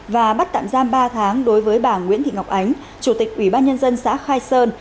và bắt tạm giam ba tháng đối với bà nguyễn thị ngọc ánh chủ tịch ủy ban nhân dân xã khai sơn